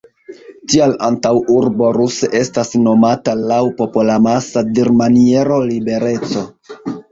Tial antaŭurbo ruse estas nomata laŭ popolamasa dirmaniero "libereco".